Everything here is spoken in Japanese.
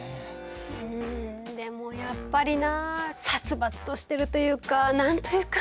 うんでもやっぱりなあ殺伐としてるというか何と言うか。